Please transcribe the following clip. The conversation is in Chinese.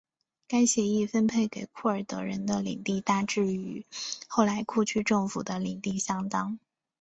该协议分配给库尔德人的领地大致与后来库区政府的领地相当。